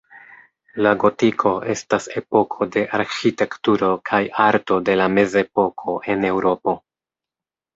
La gotiko estas epoko de arĥitekturo kaj arto de la mezepoko en Eŭropo.